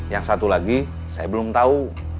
yang satu lagi saya belum tahu